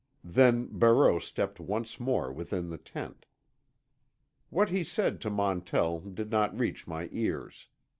Then Barreau stepped once more within the tent. What he said to Montell did not reach my ears.